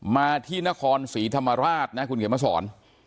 มาที่นครศรีธรรมราชนะคุณเขียนมาสอน